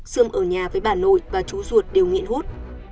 sườn ở nhà với bà nội và chú ruột đều nghiện hút